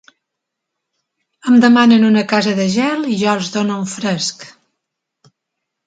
Em demanen una casa de gel i jo els dono un fresc.